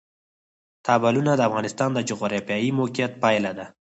تالابونه د افغانستان د جغرافیایي موقیعت پایله ده.